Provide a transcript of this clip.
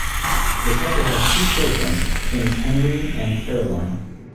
The couple has two children: twins Henry and Caroline.